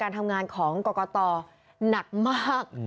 การทำงานของกรกฎตอนั่นหนักมาก